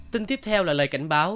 tin tiếp theo là lời cảnh báo